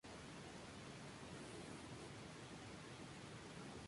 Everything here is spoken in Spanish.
Había empezado a usar este utensilio en los cuarteles, en Vietnam.